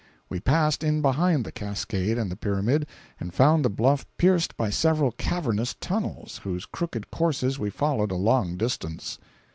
We passed in behind the cascade and the pyramid, and found the bluff pierced by several cavernous tunnels, whose crooked courses we followed a long distance.